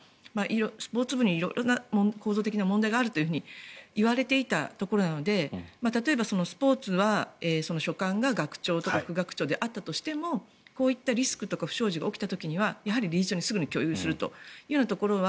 スポーツ部に色々な構造的な問題があるといわれていたところなので例えば、スポーツは所管が学長とか副学長であったとしてもこういったリスクとか不祥事が起きた時には理事長にすぐに共有するということは